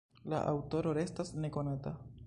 La aŭtoro restas nekonata.